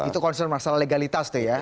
itu concern masalah legalitas tuh ya